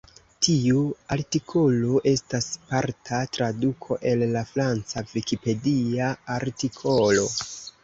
Tiu artikolo estas parta traduko el la franca Vikipedia artikolo.